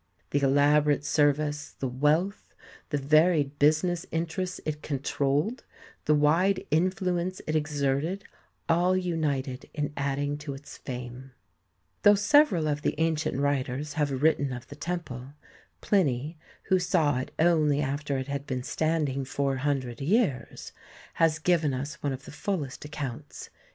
The elaborate service, the wealth, the varied business interests it controlled, the wide influence it exerted, all united in adding to its fame. Though several of the ancient writers have written of the temple, Pliny, who saw it only after A Drum from a Column of the Temple of Diana THE TEMPLE OF DIANA in it had been standing four hundred years, has given us one of the fullest accounts.